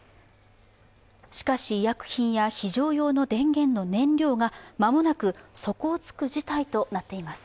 しかし、医薬品や非常用の電源の燃料が間もなく底をつく事態となっています。